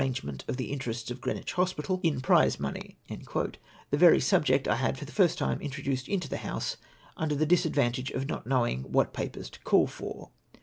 f/ement of the interests of Greenwich Hospital in 314 IX ALL IMPORTANT POINTS. jyrize monei/;'' tlie very subject I had for the first thne introduced into the House luider the disadvantage of not knowing what papers to call for